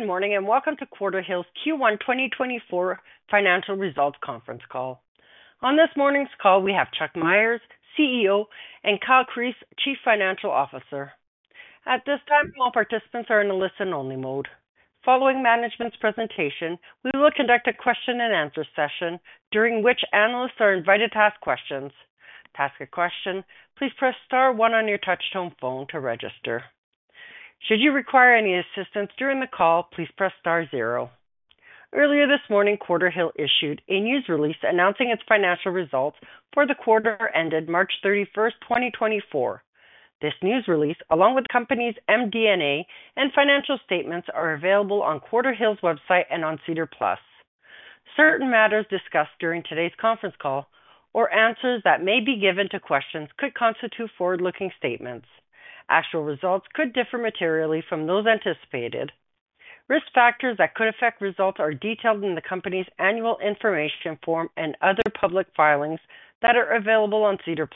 Good morning, and welcome to Quarterhill's Q1 2024 financial results conference call. On this morning's call, we have Chuck Myers, CEO, and Kyle Chriest, Chief Financial Officer. At this time, all participants are in a listen-only mode. Following management's presentation, we will conduct a question-and-answer session, during which analysts are invited to ask questions. To ask a question, please press star one on your touchtone phone to register. Should you require any assistance during the call, please press star zero. Earlier this morning, Quarterhill issued a news release announcing its financial results for the quarter ended March 31st, 2024. This news release, along with the company's MD&A and financial statements, are available on Quarterhill's website and on SEDAR+. Certain matters discussed during today's conference call or answers that may be given to questions could constitute forward-looking statements. Actual results could differ materially from those anticipated. Risk factors that could affect results are detailed in the company's annual information form and other public filings that are available on SEDAR+.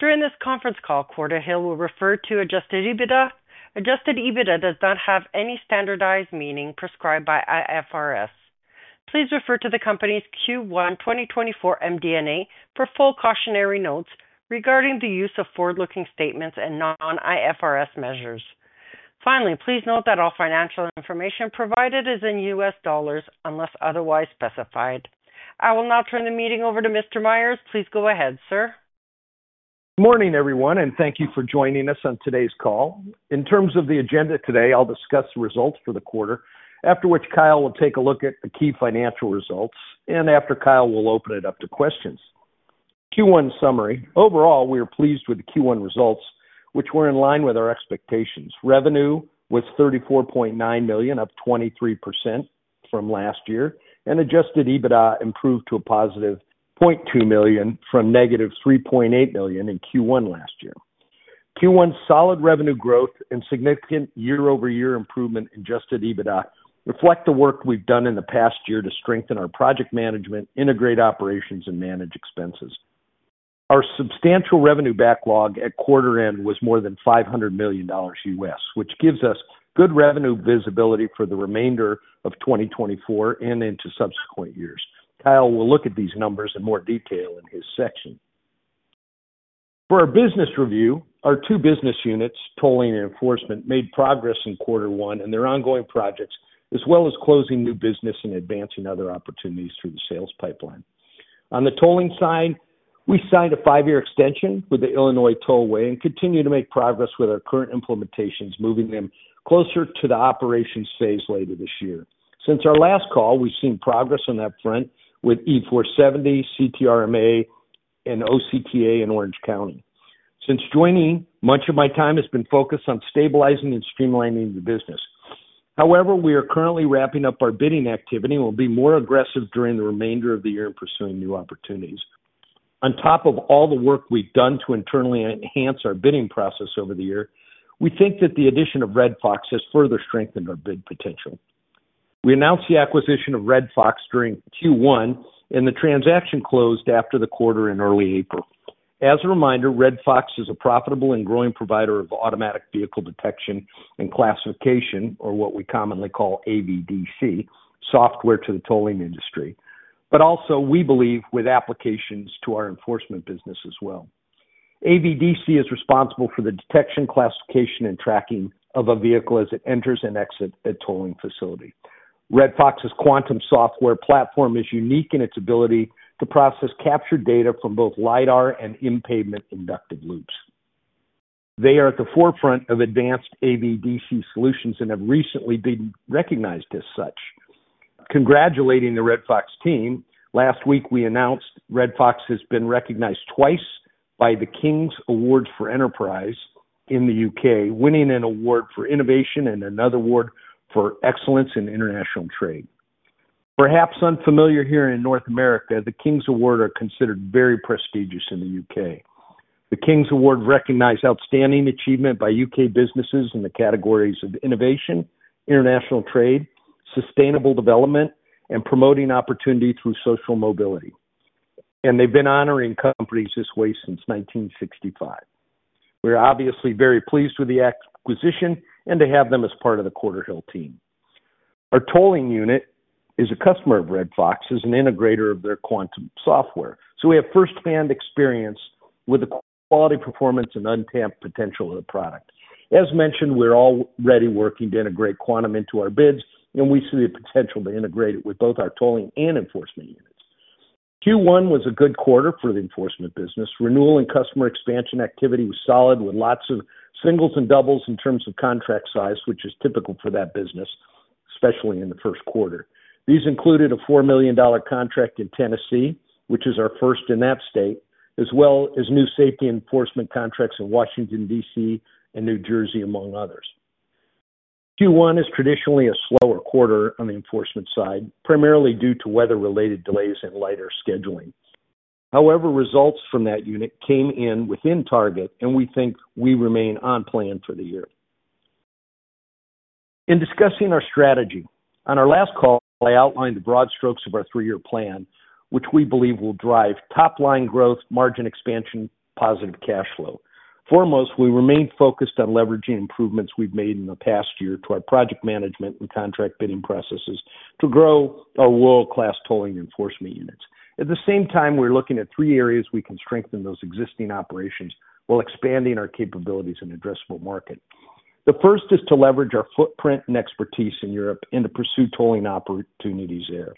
During this conference call, Quarterhill will refer to Adjusted EBITDA. Adjusted EBITDA does not have any standardized meaning prescribed by IFRS. Please refer to the company's Q1 2024 MD&A for full cautionary notes regarding the use of forward-looking statements and non-IFRS measures. Finally, please note that all financial information provided is in U.S. dollars, unless otherwise specified. I will now turn the meeting over to Mr. Myers. Please go ahead, sir. Good morning, everyone, and thank you for joining us on today's call. In terms of the agenda today, I'll discuss the results for the quarter, after which Kyle will take a look at the key financial results, and after Kyle, we'll open it up to questions. Q1 summary. Overall, we are pleased with the Q1 results, which were in line with our expectations. Revenue was $34.9 million, up 23% from last year, and Adjusted EBITDA improved to a +$0.2 million, from -$3.8 million in Q1 last year. Q1's solid revenue growth and significant year-over-year improvement in Adjusted EBITDA reflect the work we've done in the past year to strengthen our project management, integrate operations, and manage expenses. Our substantial revenue backlog at quarter end was more than $500 million, which gives us good revenue visibility for the remainder of 2024 and into subsequent years. Kyle will look at these numbers in more detail in his section. For our business review, our two business units, tolling and enforcement, made progress in quarter one in their ongoing projects, as well as closing new business and advancing other opportunities through the sales pipeline. On the tolling side, we signed a five-year extension with the Illinois Tollway and continue to make progress with our current implementations, moving them closer to the operations phase later this year. Since our last call, we've seen progress on that front with E-470, CTRMA, and OCTA in Orange County. Since joining, much of my time has been focused on stabilizing and streamlining the business. However, we are currently wrapping up our bidding activity and will be more aggressive during the remainder of the year in pursuing new opportunities. On top of all the work we've done to internally enhance our bidding process over the year, we think that the addition of Red Fox has further strengthened our bid potential. We announced the acquisition of Red Fox during Q1, and the transaction closed after the quarter in early April. As a reminder, Red Fox is a profitable and growing provider of Automatic Vehicle Detection and Classification, or what we commonly call AVDC, software to the tolling industry, but also, we believe, with applications to our enforcement business as well. AVDC is responsible for the detection, classification, and tracking of a vehicle as it enters and exits a tolling facility. Red Fox's Quantum software platform is unique in its ability to process captured data from both LiDAR and in-pavement inductive loops. They are at the forefront of advanced AVDC solutions and have recently been recognized as such. Congratulating the Red Fox team, last week we announced Red Fox has been recognized twice by the King's Award for Enterprise in the U.K., winning an award for innovation and another award for excellence in international trade. Perhaps unfamiliar here in North America, the King's Awards are considered very prestigious in the U.K. The King's Awards recognize outstanding achievement by U.K. businesses in the categories of innovation, international trade, sustainable development, and promoting opportunity through social mobility. And they've been honoring companies this way since 1965. We're obviously very pleased with the acquisition and to have them as part of the Quarterhill team. Our tolling unit is a customer of Red Fox, as an integrator of their Quantum software, so we have first-hand experience with the quality, performance, and untapped potential of the product. As mentioned, we're already working to integrate Quantum into our bids, and we see the potential to integrate it with both our tolling and enforcement units. Q1 was a good quarter for the enforcement business. Renewal and customer expansion activity was solid, with lots of singles and doubles in terms of contract size, which is typical for that business, especially in the first quarter. These included a $4 million contract in Tennessee, which is our first in that state, as well as new safety enforcement contracts in Washington, D.C., and New Jersey, among others. Q1 is traditionally a slower quarter on the enforcement side, primarily due to weather-related delays and lighter scheduling. However, results from that unit came in within target, and we think we remain on plan for the year. In discussing our strategy. On our last call, I outlined the broad strokes of our three-year plan, which we believe will drive top-line growth, margin expansion, positive cash flow. Foremost, we remain focused on leveraging improvements we've made in the past year to our project management and contract bidding processes to grow our world-class tolling enforcement units. At the same time, we're looking at three areas we can strengthen those existing operations while expanding our capabilities and addressable market. The first is to leverage our footprint and expertise in Europe and to pursue tolling opportunities there.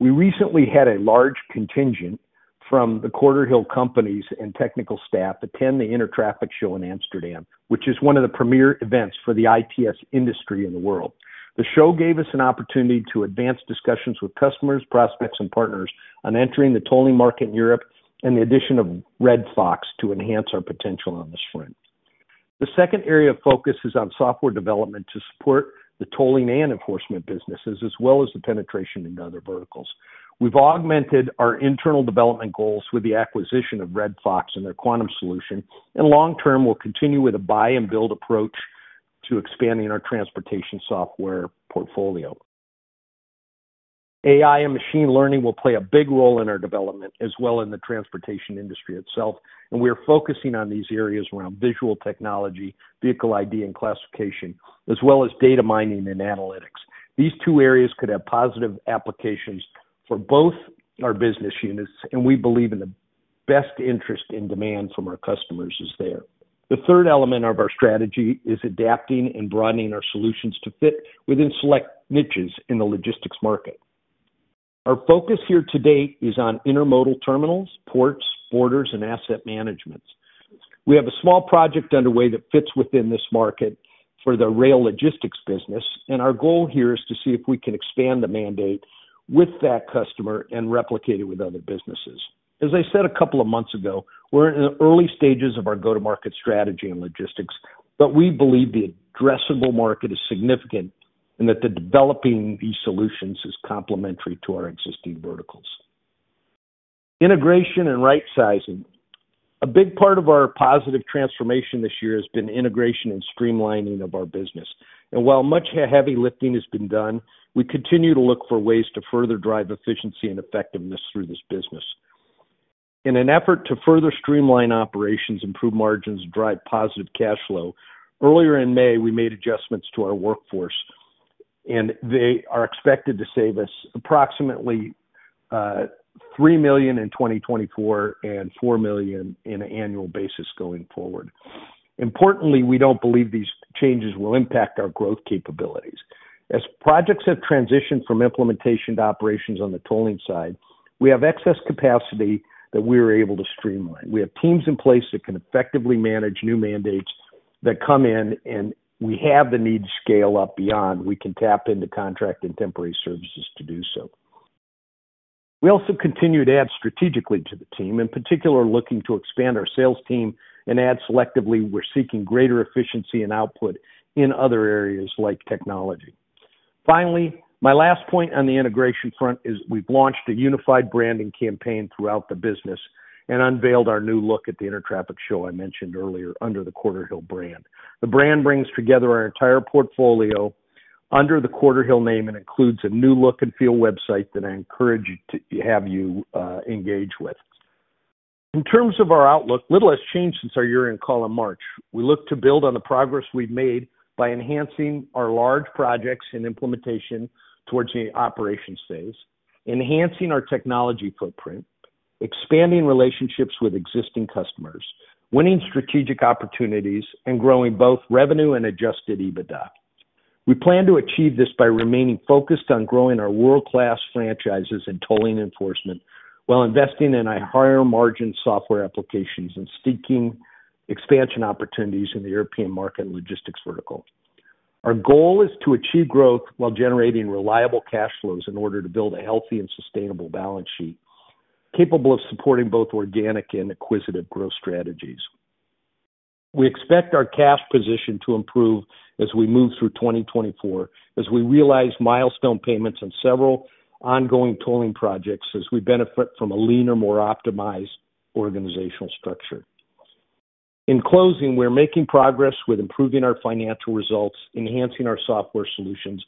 We recently had a large contingent from the Quarterhill companies and technical staff attend the Intertraffic show in Amsterdam, which is one of the premier events for the ITS industry in the world. The show gave us an opportunity to advance discussions with customers, prospects, and partners on entering the tolling market in Europe and the addition of Red Fox to enhance our potential on this front. The second area of focus is on software development to support the tolling and enforcement businesses, as well as the penetration in other verticals. We've augmented our internal development goals with the acquisition of Red Fox and their Quantum solution, and long-term, we'll continue with a buy-and-build approach to expanding our transportation software portfolio. AI and machine learning will play a big role in our development, as well as in the transportation industry itself, and we are focusing on these areas around visual technology, vehicle ID, and classification, as well as data mining and analytics. These two areas could have positive applications for both our business units, and we believe in the best interest in demand from our customers is there. The third element of our strategy is adapting and broadening our solutions to fit within select niches in the logistics market. Our focus here to date is on intermodal terminals, ports, borders, and asset management. We have a small project underway that fits within this market for the rail logistics business, and our goal here is to see if we can expand the mandate with that customer and replicate it with other businesses. As I said a couple of months ago, we're in the early stages of our go-to-market strategy in logistics, but we believe the addressable market is significant and that the developing these solutions is complementary to our existing verticals. Integration and right sizing. A big part of our positive transformation this year has been integration and streamlining of our business. While much heavy lifting has been done, we continue to look for ways to further drive efficiency and effectiveness through this business. In an effort to further streamline operations, improve margins, and drive positive cash flow, earlier in May, we made adjustments to our workforce, and they are expected to save us approximately $3 million in 2024 and $4 million in an annual basis going forward. Importantly, we don't believe these changes will impact our growth capabilities. As projects have transitioned from implementation to operations on the tolling side, we have excess capacity that we are able to streamline. We have teams in place that can effectively manage new mandates that come in, and we have the need to scale up beyond. We can tap into contract and temporary services to do so. We also continue to add strategically to the team, in particular, looking to expand our sales team and add selectively. We're seeking greater efficiency and output in other areas like technology. Finally, my last point on the integration front is we've launched a unified branding campaign throughout the business and unveiled our new look at the Intertraffic show I mentioned earlier under the Quarterhill brand. The brand brings together our entire portfolio under the Quarterhill name and includes a new look-and-feel website that I encourage you to have you, engage with. In terms of our outlook, little has changed since our year-end call in March. We look to build on the progress we've made by enhancing our large projects and implementation towards the operations phase, enhancing our technology footprint, expanding relationships with existing customers, winning strategic opportunities, and growing both revenue and Adjusted EBITDA. We plan to achieve this by remaining focused on growing our world-class franchises in tolling enforcement, while investing in a higher-margin software applications and seeking expansion opportunities in the European market and logistics vertical. Our goal is to achieve growth while generating reliable cash flows in order to build a healthy and sustainable balance sheet, capable of supporting both organic and acquisitive growth strategies. We expect our cash position to improve as we move through 2024, as we realize milestone payments on several ongoing tolling projects, as we benefit from a leaner, more optimized organizational structure. In closing, we're making progress with improving our financial results, enhancing our software solutions,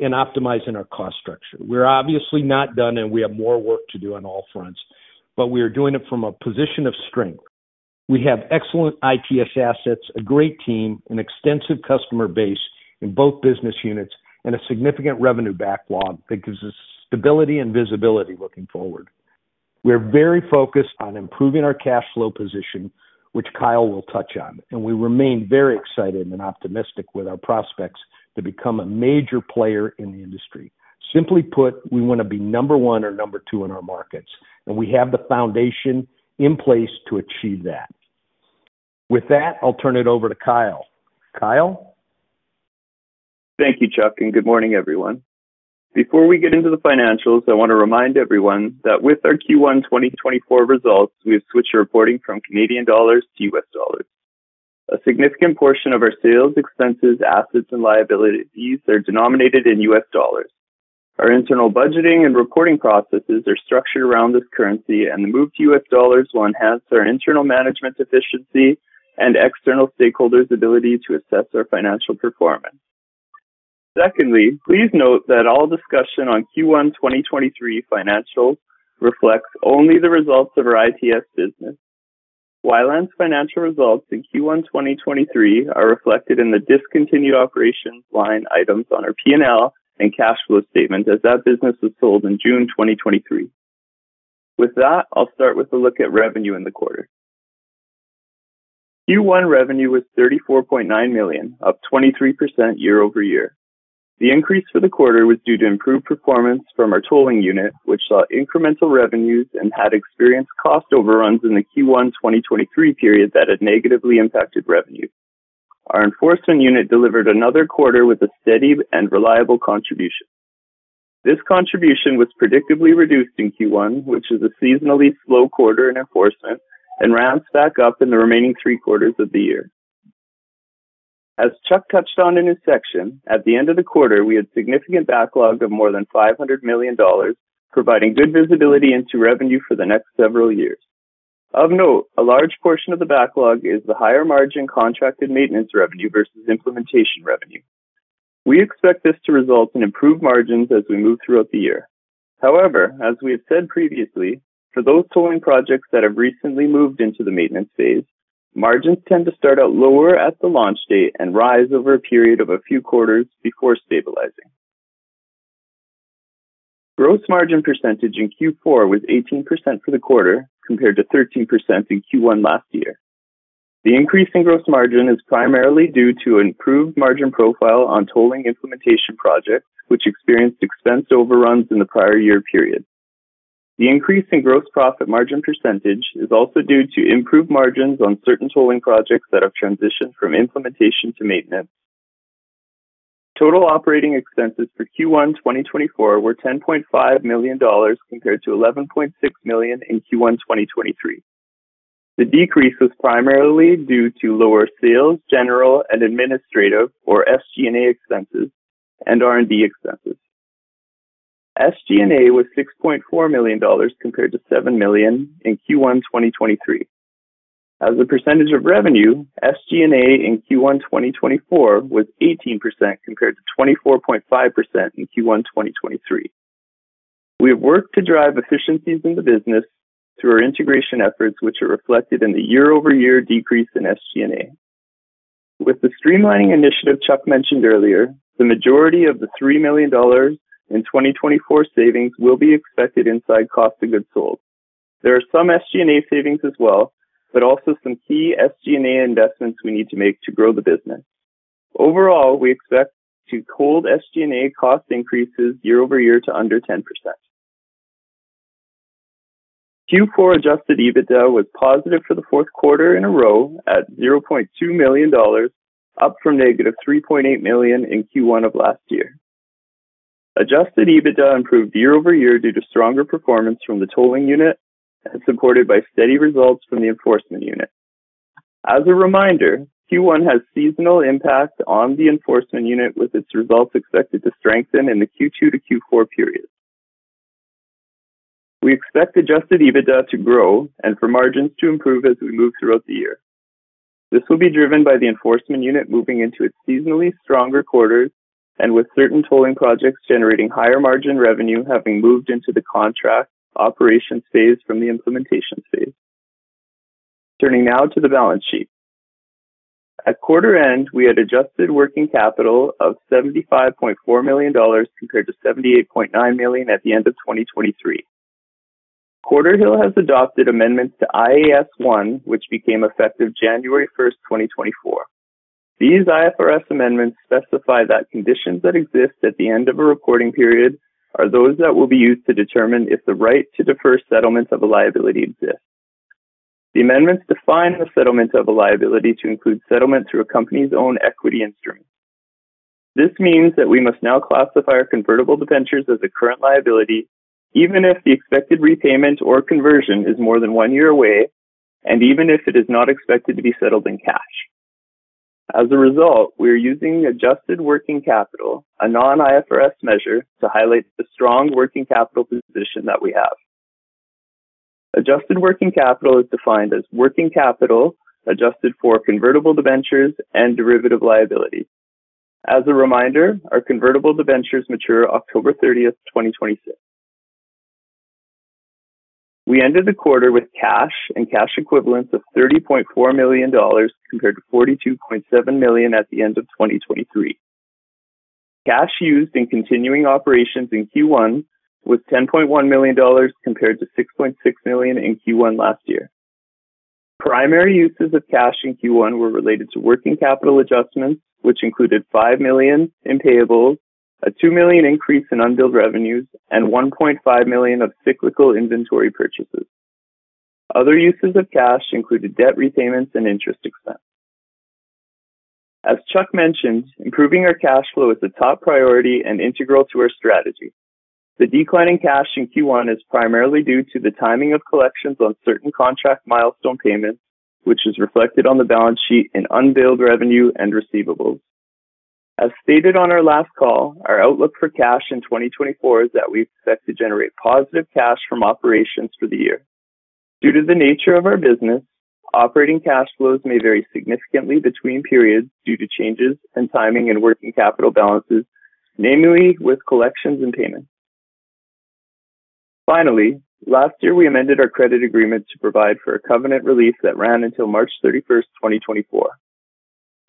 and optimizing our cost structure. We're obviously not done, and we have more work to do on all fronts, but we are doing it from a position of strength. We have excellent ITS assets, a great team, an extensive customer base in both business units, and a significant revenue backlog that gives us stability and visibility looking forward. We are very focused on improving our cash flow position, which Kyle will touch on, and we remain very excited and optimistic with our prospects to become a major player in the industry. Simply put, we want to be number one or number two in our markets, and we have the foundation in place to achieve that. With that, I'll turn it over to Kyle. Kyle? Thank you, Chuck, and good morning, everyone. Before we get into the financials, I want to remind everyone that with our Q1 2024 results, we have switched our reporting from Canadian dollars to U.S. dollars. A significant portion of our sales, expenses, assets, and liabilities are denominated in U.S. dollars.... Our internal budgeting and recording processes are structured around this currency, and the move to U.S. dollars will enhance our internal management efficiency and external stakeholders' ability to assess our financial performance. Secondly, please note that all discussion on Q1 2023 financials reflects only the results of our ITS business. Wi-LAN's financial results in Q1 2023 are reflected in the discontinued operations line items on our P&L and cash flow statement, as that business was sold in June 2023. With that, I'll start with a look at revenue in the quarter. Q1 revenue was $34.9 million, up 23% year-over-year. The increase for the quarter was due to improved performance from our tolling unit, which saw incremental revenues and had experienced cost overruns in the Q1 2023 period that had negatively impacted revenue. Our enforcement unit delivered another quarter with a steady and reliable contribution. This contribution was predictably reduced in Q1, which is a seasonally slow quarter in enforcement and ramps back up in the remaining three quarters of the year. As Chuck touched on in his section, at the end of the quarter, we had significant backlogs of more than $500 million, providing good visibility into revenue for the next several years. Of note, a large portion of the backlog is the higher margin contracted maintenance revenue versus implementation revenue. We expect this to result in improved margins as we move throughout the year. However, as we have said previously, for those tolling projects that have recently moved into the maintenance phase, margins tend to start out lower at the launch date and rise over a period of a few quarters before stabilizing. Gross margin percentage in Q4 was 18% for the quarter, compared to 13% in Q1 last year. The increase in gross margin is primarily due to improved margin profile on tolling implementation projects, which experienced expense overruns in the prior year period. The increase in gross profit margin percentage is also due to improved margins on certain tolling projects that have transitioned from implementation to maintenance. Total operating expenses for Q1 2024 were $10.5 million, compared to $11.6 million in Q1 2023. The decrease was primarily due to lower sales, general, and administrative, or SG&A expenses and R&D expenses. SG&A was $6.4 million, compared to $7 million in Q1 2023. As a percentage of revenue, SG&A in Q1 2024 was 18%, compared to 24.5% in Q1 2023. We have worked to drive efficiencies in the business through our integration efforts, which are reflected in the year-over-year decrease in SG&A. With the streamlining initiative Chuck mentioned earlier, the majority of the $3 million in 2024 savings will be expected inside cost of goods sold. There are some SG&A savings as well, but also some key SG&A investments we need to make to grow the business. Overall, we expect to hold SG&A cost increases year-over-year to under 10%. Q4 Adjusted EBITDA was positive for the fourth quarter in a row at $0.2 million, up from -$3.8 million in Q1 of last year. Adjusted EBITDA improved year-over-year due to stronger performance from the tolling unit and supported by steady results from the enforcement unit. As a reminder, Q1 has seasonal impact on the enforcement unit, with its results expected to strengthen in the Q2-Q4 period. We expect Adjusted EBITDA to grow and for margins to improve as we move throughout the year. This will be driven by the enforcement unit moving into its seasonally stronger quarters and with certain tolling projects generating higher margin revenue, having moved into the contract operations phase from the implementation phase. Turning now to the balance sheet. At quarter end, we had adjusted working capital of $75.4 million, compared to $78.9 million at the end of 2023. Quarterhill has adopted amendments to IAS 1, which became effective January 1st, 2024. These IFRS amendments specify that conditions that exist at the end of a reporting period are those that will be used to determine if the right to defer settlement of a liability exists. The amendments define the settlement of a liability to include settlement through a company's own equity instrument. This means that we must now classify our convertible debentures as a current liability, even if the expected repayment or conversion is more than one year away, and even if it is not expected to be settled in cash. As a result, we are using adjusted working capital, a non-IFRS measure, to highlight the strong working capital position that we have. Adjusted working capital is defined as working capital adjusted for convertible debentures and derivative liabilities. As a reminder, our convertible debentures mature October thirtieth, 2026. We ended the quarter with cash and cash equivalents of $30.4 million, compared to $42.7 million at the end of 2023. Cash used in continuing operations in Q1 was $10.1 million, compared to $6.6 million in Q1 last year. Primary uses of cash in Q1 were related to working capital adjustments, which included $5 million in payables, a $2 million increase in unbilled revenues, and $1.5 million of cyclical inventory purchases. Other uses of cash included debt repayments and interest expense. As Chuck mentioned, improving our cash flow is a top priority and integral to our strategy. The decline in cash in Q1 is primarily due to the timing of collections on certain contract milestone payments.... which is reflected on the balance sheet in unbilled revenue and receivables. As stated on our last call, our outlook for cash in 2024 is that we expect to generate positive cash from operations for the year. Due to the nature of our business, operating cash flows may vary significantly between periods due to changes in timing and working capital balances, namely with collections and payments. Finally, last year, we amended our credit agreement to provide for a covenant relief that ran until March 31st, 2024.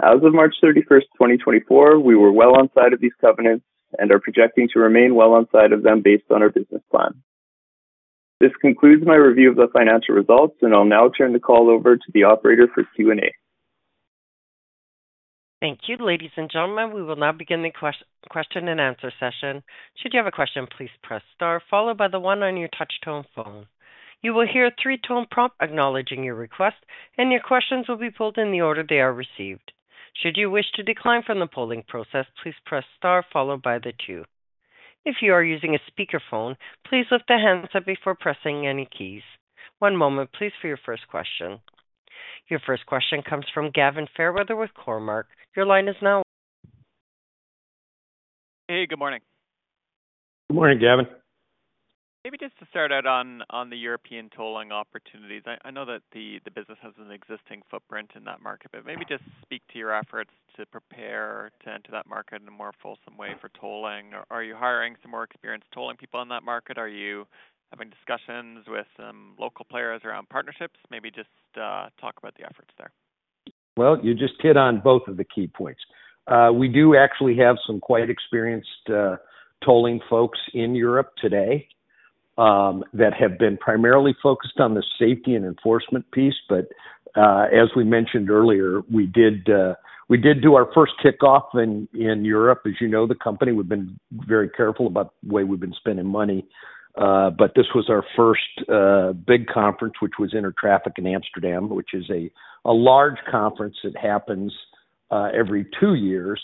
As of March 31st, 2024, we were well inside of these covenants and are projecting to remain well inside of them based on our business plan. This concludes my review of the financial results, and I'll now turn the call over to the operator for Q&A. Thank you. Ladies and gentlemen, we will now begin the question and answer session. Should you have a question, please press star followed by the one on your touch-tone phone. You will hear a three-tone prompt acknowledging your request, and your questions will be pulled in the order they are received. Should you wish to decline from the polling process, please press star followed by the two. If you are using a speakerphone, please lift the handset before pressing any keys. One moment, please, for your first question. Your first question comes from Gavin Fairweather with Cormark. Your line is now- Hey, good morning. Good morning, Gavin. Maybe just to start out on the European tolling opportunities. I know that the business has an existing footprint in that market, but maybe just speak to your efforts to prepare to enter that market in a more fulsome way for tolling. Are you hiring some more experienced tolling people in that market? Are you having discussions with some local players around partnerships? Maybe just talk about the efforts there. Well, you just hit on both of the key points. We do actually have some quite experienced tolling folks in Europe today that have been primarily focused on the safety and enforcement piece. But as we mentioned earlier, we did do our first kickoff in Europe. As you know, the company, we've been very careful about the way we've been spending money, but this was our first big conference, which was Intertraffic in Amsterdam, which is a large conference that happens every two years.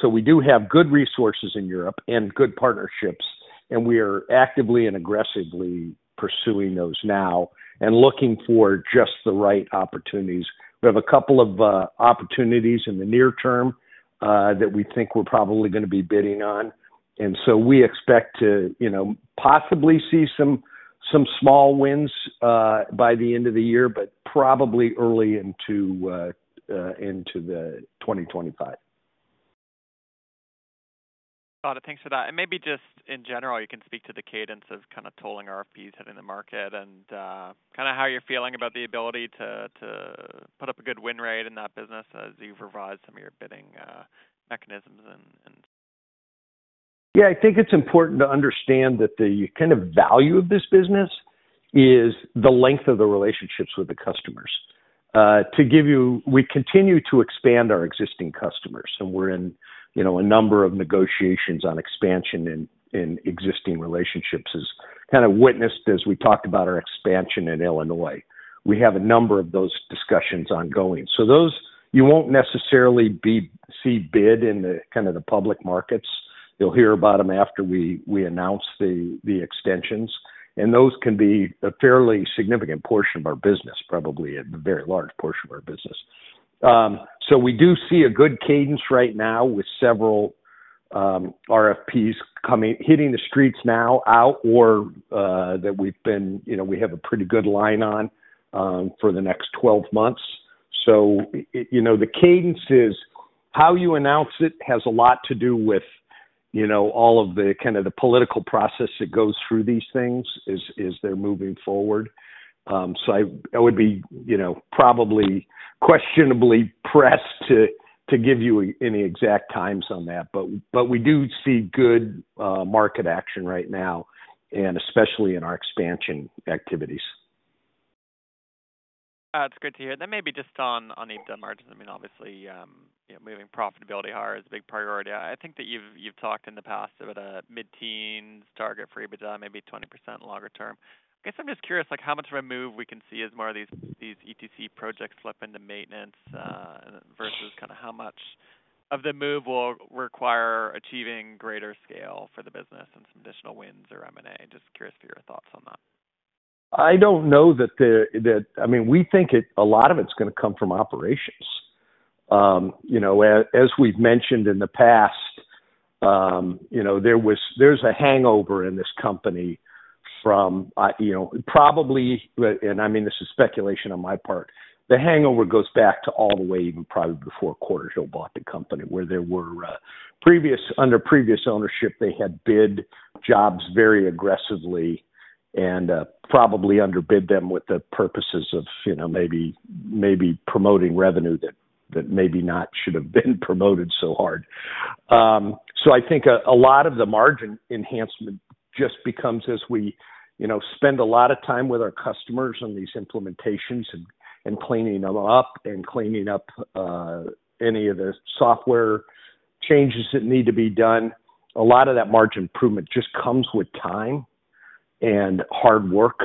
So we do have good resources in Europe and good partnerships, and we are actively and aggressively pursuing those now and looking for just the right opportunities. We have a couple of opportunities in the near term that we think we're probably going to be bidding on, and so we expect to, you know, possibly see some small wins by the end of the year, but probably early into 2025. Got it. Thanks for that. Maybe just in general, you can speak to the cadence of kind of tolling RFPs hitting the market and kind of how you're feeling about the ability to put up a good win rate in that business as you've revised some of your bidding mechanisms and- Yeah, I think it's important to understand that the kind of value of this business is the length of the relationships with the customers. To give you, we continue to expand our existing customers, and we're in, you know, a number of negotiations on expansion in existing relationships, as kind of witnessed as we talked about our expansion in Illinois. We have a number of those discussions ongoing. So those you won't necessarily see bids in the kind of the public markets. You'll hear about them after we announce the extensions, and those can be a fairly significant portion of our business, probably a very large portion of our business. So we do see a good cadence right now with several RFPs coming, hitting the streets now out or that we've been... You know, we have a pretty good line on for the next 12 months. So you know, the cadence is how you announce it has a lot to do with you know all of the kind of the political process that goes through these things as they're moving forward. So I would be you know probably questionably pressed to give you any exact times on that. But we do see good market action right now, and especially in our expansion activities. It's good to hear. Then maybe just on EBITDA margins, I mean, obviously, you know, moving profitability higher is a big priority. I think that you've talked in the past about a mid-teens target for EBITDA, maybe 20% longer term. I guess I'm just curious, like, how much of a move we can see as more of these ETC projects slip into maintenance versus kind of how much of the move will require achieving greater scale for the business and some additional wins or M&A? Just curious for your thoughts on that. I don't know that the. I mean, we think a lot of it's gonna come from operations. You know, as we've mentioned in the past, you know, there's a hangover in this company from, you know, probably, and I mean, this is speculation on my part. The hangover goes back to all the way, even probably before Quarterhill bought the company, where there were under previous ownership, they had bid jobs very aggressively and probably underbid them with the purposes of, you know, maybe promoting revenue that maybe not should have been promoted so hard. So I think a lot of the margin enhancement just becomes as we, you know, spend a lot of time with our customers on these implementations and cleaning them up and cleaning up any of the software changes that need to be done. A lot of that margin improvement just comes with time and hard work.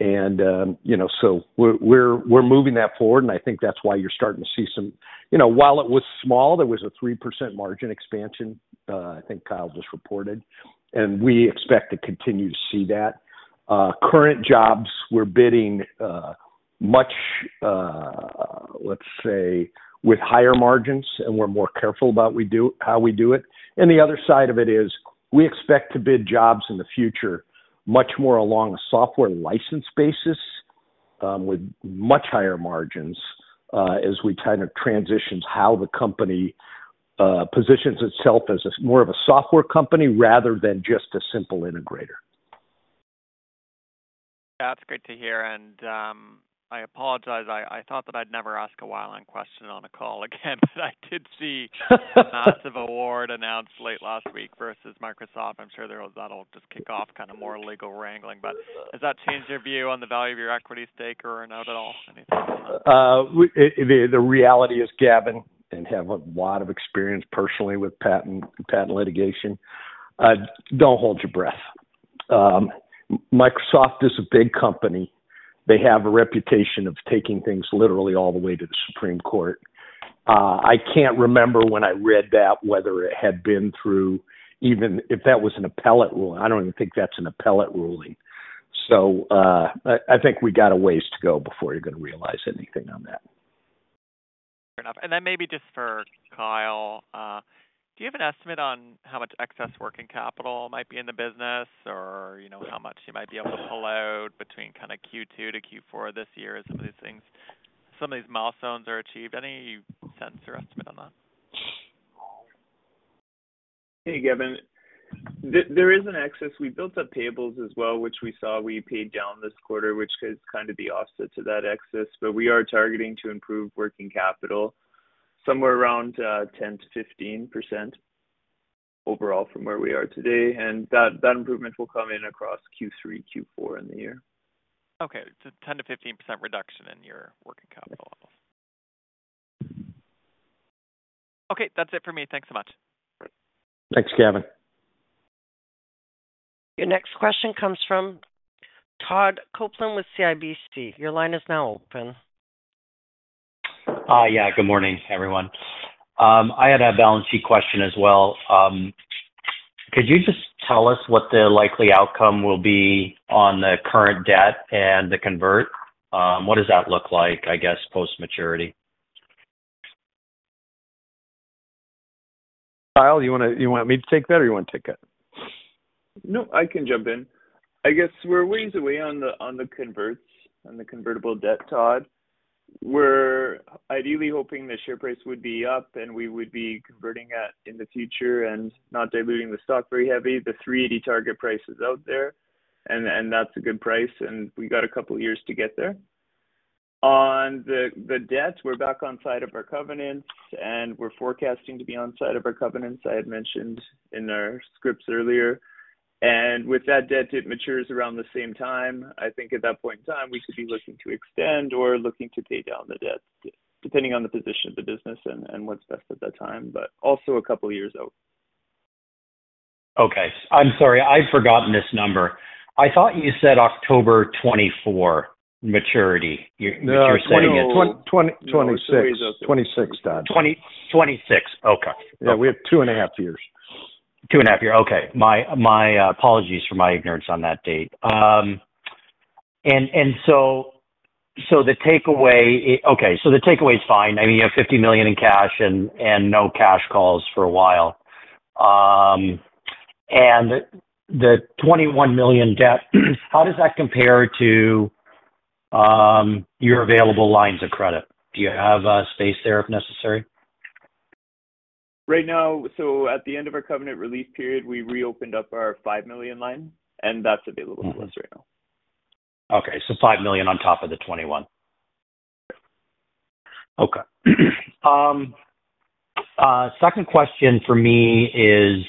And, you know, so we're moving that forward, and I think that's why you're starting to see some. You know, while it was small, there was a 3% margin expansion, I think Kyle just reported, and we expect to continue to see that. Current jobs we're bidding, much, let's say, with higher margins, and we're more careful about how we do it. The other side of it is, we expect to bid jobs in the future much more along a software license basis, with much higher margins, as we kind of transition how the company positions itself as a more of a software company rather than just a simple integrator. That's great to hear. And, I apologize, I thought that I'd never ask a Wi-LAN question on a call again, but I did see lots of awards announced late last week versus Microsoft. I'm sure that'll just kick off kind of more legal wrangling. But does that change your view on the value of your equity stake or not at all? Anything. The reality is, Gavin, and have a lot of experience personally with patent, patent litigation, don't hold your breath. Microsoft is a big company. They have a reputation of taking things literally all the way to the Supreme Court. I can't remember when I read that, whether it had been through... Even if that was an appellate ruling, I don't even think that's an appellate ruling. So, I think we got a ways to go before you're gonna realize anything on that. Fair enough. And then maybe just for Kyle, do you have an estimate on how much excess working capital might be in the business, or, you know, how much you might be able to pull out between kind of Q2-Q4 this year as some of these things, some of these milestones are achieved? Any sense or estimate on that? Hey, Gavin. There is an excess. We built up payables as well, which we saw we paid down this quarter, which is kind of the offset to that excess, but we are targeting to improve working capital somewhere around 10%-15% overall from where we are today, and that improvement will come in across Q3, Q4 in the year. Okay, so 10%-15% reduction in your working capital level. Okay, that's it for me. Thanks so much. Thanks, Gavin. Your next question comes from Todd Coupland with CIBC. Your line is now open. Yeah, good morning, everyone. I had a balance sheet question as well. Could you just tell us what the likely outcome will be on the current debt and the convert? What does that look like, I guess, post-maturity? Kyle, you wanna, you want me to take that or you want to take it? No, I can jump in. I guess we're a ways away on the, on the convertibles, on the convertible debt, Todd. We're ideally hoping the share price would be up, and we would be converting that in the future and not diluting the stock very heavily. The $380 target price is out there, and, and that's a good price, and we got a couple years to get there. On the, the debt, we're back onside of our covenants, and we're forecasting to be onside of our covenants, I had mentioned in our scripts earlier. And with that debt, it matures around the same time. I think at that point in time, we could be looking to extend or looking to pay down the debt, depending on the position of the business and, and what's best at that time, but also a couple years out. Okay. I'm sorry, I've forgotten this number. I thought you said October 2024 maturity, you- No. You're saying it's- 2026. 2026, Todd. 2026. Okay. Yeah, we have 2.5 years. 2.5 years. Okay. My apologies for my ignorance on that date. And so the takeaway is fine. I mean, you have $50 million in cash and no cash calls for a while. And the $21 million debt, how does that compare to your available lines of credit? Do you have space there if necessary? Right now, so at the end of our covenant release period, we reopened up our $5 million line, and that's available to us right now. Okay, so $5 million on top of the $21 million. Okay. Second question for me is,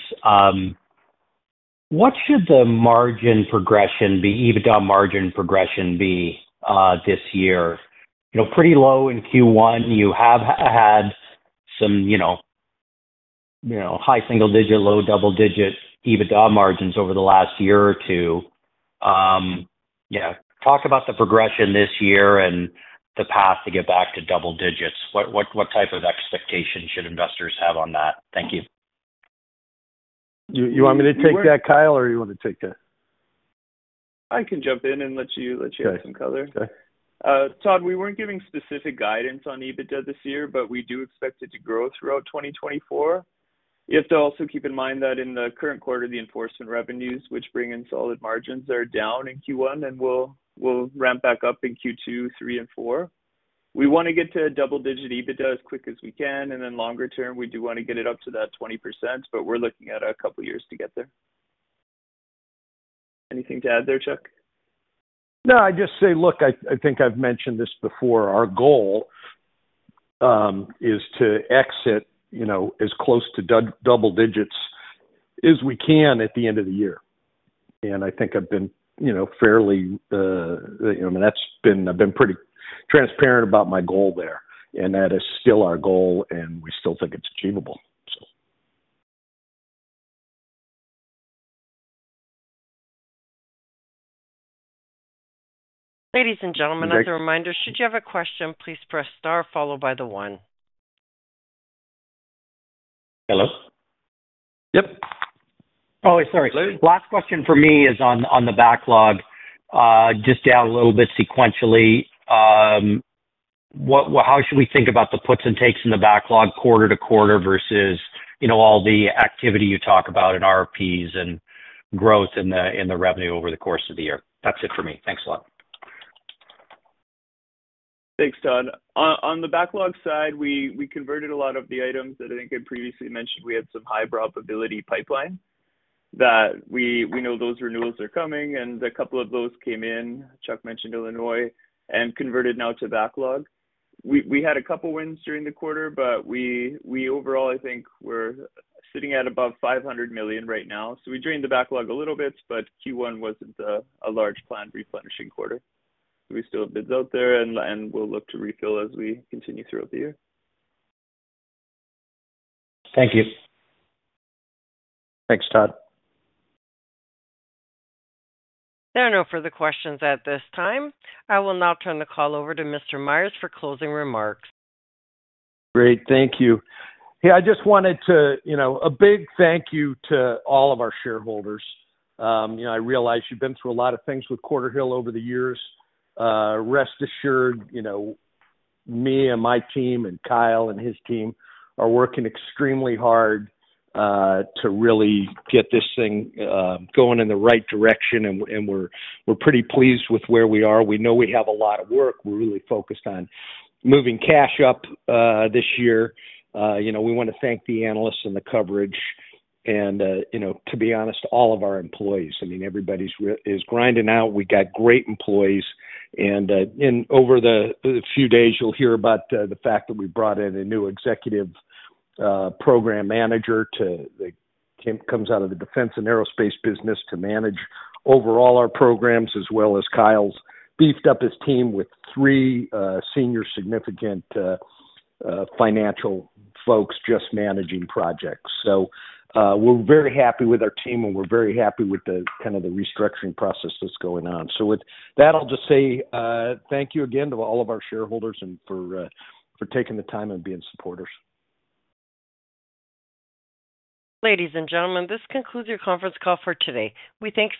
what should the margin progression be, EBITDA margin progression be, this year? You know, pretty low in Q1, you have had some, you know, you know, high single-digit, low double-digit EBITDA margins over the last year or two. Yeah, talk about the progression this year and the path to get back to double-digits. What, what, what type of expectation should investors have on that? Thank you. You want me to take that, Kyle, or you want to take that? I can jump in and let you, let you have some color. Okay. Todd, we weren't giving specific guidance on EBITDA this year, but we do expect it to grow throughout 2024. You have to also keep in mind that in the current quarter, the enforcement revenues, which bring in solid margins, are down in Q1 and will ramp back up in Q2, Q3, and Q4. We want to get to a double-digit EBITDA as quick as we can, and then longer term, we do want to get it up to that 20%, but we're looking at a couple of years to get there. Anything to add there, Chuck? No, I'd just say, look, I think I've mentioned this before. Our goal is to exit, you know, as close to double-digits as we can at the end of the year. And I think I've been, you know, fairly, you know, I've been pretty transparent about my goal there, and that is still our goal, and we still think it's achievable. Ladies and gentlemen, as a reminder, should you have a question, please press star followed by the one. Hello? Yep. Oh, sorry. Last question for me is on the backlog, just down a little bit sequentially. What—how should we think about the puts and takes in the backlog quarter to quarter versus, you know, all the activity you talk about in RFPs and growth in the revenue over the course of the year? That's it for me. Thanks a lot. Thanks, Todd. On the backlog side, we converted a lot of the items that I think I previously mentioned. We had some high probability pipeline that we know those renewals are coming, and a couple of those came in. Chuck mentioned Illinois, and converted now to backlog. We had a couple wins during the quarter, but we overall, I think we're sitting at above $500 million right now. So we drained the backlog a little bit, but Q1 wasn't a large plan replenishing quarter. So we still have bids out there and we'll look to refill as we continue throughout the year. Thank you. Thanks, Todd. There are no further questions at this time. I will now turn the call over to Mr. Myers for closing remarks. Great. Thank you. Hey, I just wanted to, you know, a big thank you to all of our shareholders. You know, I realize you've been through a lot of things with Quarterhill over the years. Rest assured, you know, me and my team and Kyle and his team are working extremely hard to really get this thing going in the right direction, and we're pretty pleased with where we are. We know we have a lot of work. We're really focused on moving cash up this year. You know, we wanna thank the analysts and the coverage and, you know, to be honest, all of our employees. I mean, everybody's really grinding out. We got great employees, and over the few days, you'll hear about the fact that we brought in a new executive program manager to that came, comes out of the defense and aerospace business to manage overall our programs, as well as Kyle's. Beefed up his team with three senior significant financial folks just managing projects. So we're very happy with our team, and we're very happy with the kind of the restructuring process that's going on. So with that, I'll just say thank you again to all of our shareholders and for taking the time and being supporters. Ladies and gentlemen, this concludes your conference call for today. We thank you-